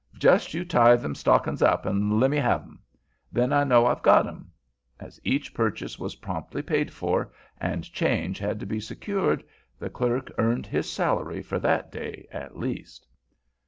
Just you tie them stockin's up an' lemme have 'em. Then I know I've got 'em." As each purchase was promptly paid for, and change had to be secured, the clerk earned his salary for that day at least.